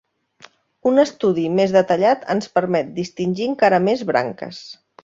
Un estudi més detallat ens permet distingir encara més branques.